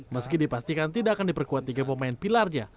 meski dipastikan tidak akan diperkuatkan